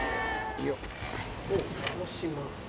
倒します。